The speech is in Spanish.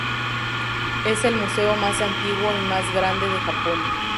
Es el museo más antiguo y más grande de Japón.